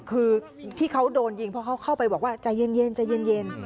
คือที่เขาโดนยิงเพราะเขาเข้าไปบอกว่าใจเย็นใจเย็น